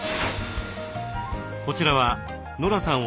こちらはノラさん